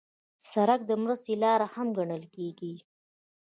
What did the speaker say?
سړک د مرستې لاره هم ګڼل کېږي.